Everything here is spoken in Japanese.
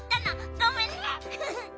ごめんね。